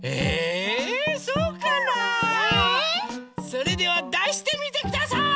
それではだしてみてください！